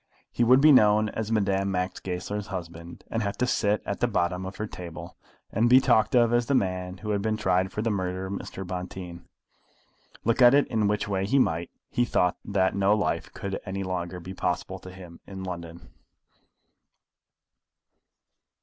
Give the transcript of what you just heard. He would be known as Madame Goesler's husband, and have to sit at the bottom of her table, and be talked of as the man who had been tried for the murder of Mr. Bonteen. Look at it in which way he might, he thought that no life could any longer be possible to him in London.